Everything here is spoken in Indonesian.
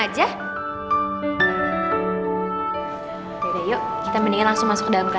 yaudah yuk kita mendingin langsung masuk ke dalam kelas aja